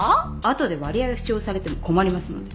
後で割合を主張されても困りますので。